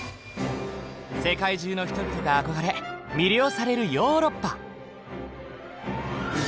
世界中の人々が憧れ魅了されるヨーロッパ。